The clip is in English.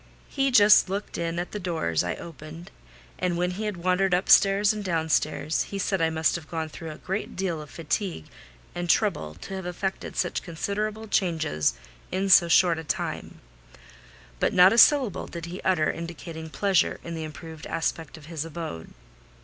He just looked in at the doors I opened; and when he had wandered upstairs and downstairs, he said I must have gone through a great deal of fatigue and trouble to have effected such considerable changes in so short a time: but not a syllable did he utter indicating pleasure in the improved aspect of his abode.